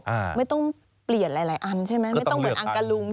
แล้วมันไม่ต้องเปลี่ยนหลายอันใช่มั้ย